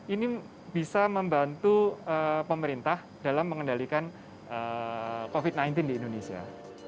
ini bisa membantu pemerintah dalam mengendalikan covid sembilan belas di indonesia